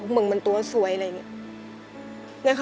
มึงมันตัวสวยอะไรอย่างนี้